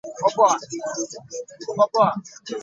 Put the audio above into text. He took an interest in music from an early age.